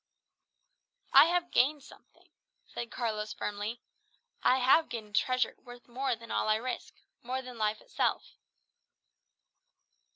"I have gained something," said Carlos firmly. "I have gained a treasure worth more than all I risk, more than life itself."